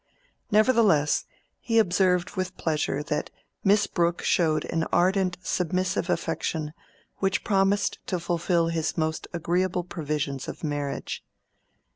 Nevertheless, he observed with pleasure that Miss Brooke showed an ardent submissive affection which promised to fulfil his most agreeable previsions of marriage.